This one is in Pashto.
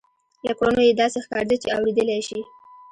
له کړنو یې داسې ښکارېده چې اورېدلای شي